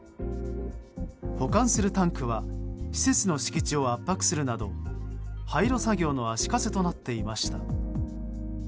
保管するタンクは施設の敷地を圧迫するなど廃炉作業の足かせとなっていました。